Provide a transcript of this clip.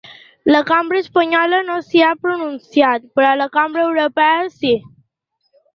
La cambra espanyola no s’hi ha pronunciat, però la cambra europea sí.